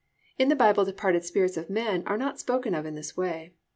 In the Bible departed spirits of men are not spoken of in this way.